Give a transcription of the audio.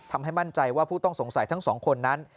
ทำให้มั่นใจว่าผู้ต้องสงสัยทั้งสองคนนั้น